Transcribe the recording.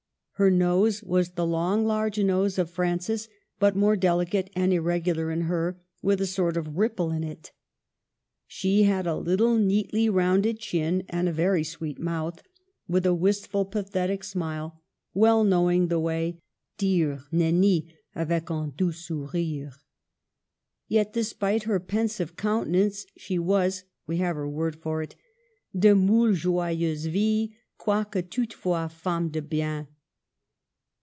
Her nose was the long, large nose of Francis, but more delicate and irregular in her, with a sort of ripple in it. She had a little, neatly rounded chin, and a ver\^ sweet mouth, with a wistful pathetic smile, well knowing the way " dire Nenny avec un doux sourire." Yet, despite her pensive countenance, she was — we have her word for it —" de moult joyeuse vie, quoiquc toutefois femme de bien."